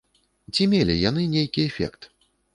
Ці мелі яны нейкі эфект?